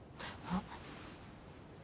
あっ。